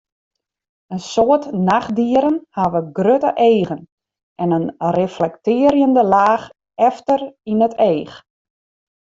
In soad nachtdieren hawwe grutte eagen en in reflektearjende laach efter yn it each.